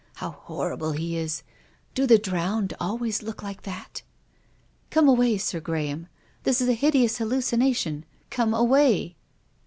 How horrible he is ! Do the drowned always look like that ?"" Come away, Sir Graham. This is a hideous hallucination. Come away."